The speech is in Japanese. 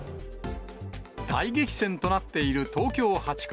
大激戦となっている東京８区。